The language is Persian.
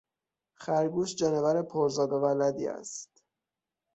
خرگوش جانور پر زاد و ولدی است.